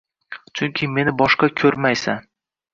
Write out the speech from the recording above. Chunki meni boshqa ko`rmaysan